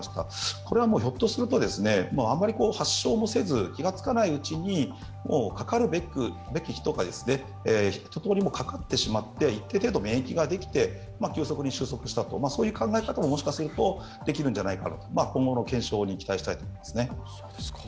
これはひょっとするとあまり発症もせず、気が付かないうちにかかるべき人が一とおりかかってしまって一定程度、免疫ができて急速に収束したという考え方ももしかするとできるんじゃないかな、今後の検証に期待したいと思います。